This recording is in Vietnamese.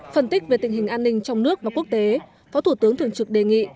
phân tích về tình hình an ninh trong nước và quốc tế phó thủ tướng thường trực đề nghị